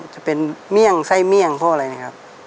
จะมีเมี่ยงไส้เมี่ยงพวกอะไรนะครับ